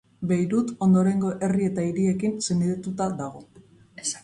Beirut ondorengo herri eta hiriekin senidetuta dago.